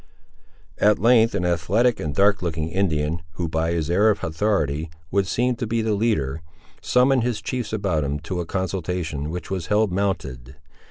At length an athletic and dark looking Indian, who, by his air of authority, would seem to be the leader, summoned his chiefs about him, to a consultation, which was held mounted.